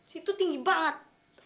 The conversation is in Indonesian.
situ tinggi banget